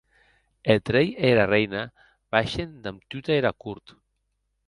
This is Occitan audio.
Eth rei e era reina baishen damb tota era cort.